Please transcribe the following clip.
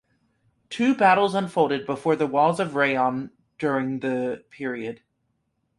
Two battles unfolded before the walls of Raon during the period.